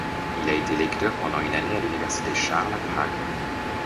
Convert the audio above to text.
Il a été lecteur pendant une année à l'Université Charles à Prague.